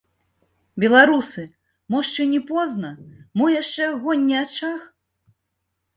Беларусы, мо шчэ не позна, мо яшчэ агонь не ачах?